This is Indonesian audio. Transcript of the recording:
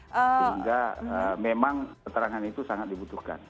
sehingga memang keterangan itu sangat dibutuhkan